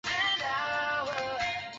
繁衍吧！